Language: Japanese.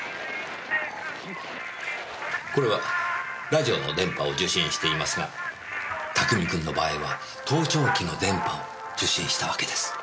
これはラジオの電波を受信していますが拓海君の場合は盗聴器の電波を受信したわけです。